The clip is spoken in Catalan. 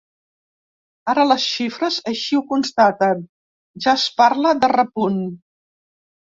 Ara les xifres així ho constaten, ja es parla de repunt.